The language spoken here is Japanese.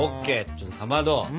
ちょっとかまど。